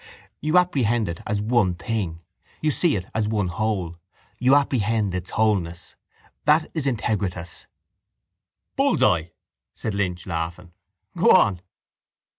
You apprehended it as one thing. You see it as one whole. You apprehend its wholeness. That is integritas. —Bull's eye! said Lynch, laughing. Go on.